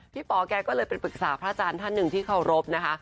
ปอแกก็เลยไปปรึกษาพระอาจารย์ท่านหนึ่งที่เคารพนะคะ